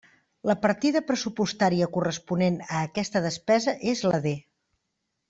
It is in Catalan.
La partida pressupostària corresponent a aquesta despesa és la D.